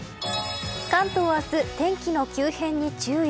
関東明日、天気の急変に注意。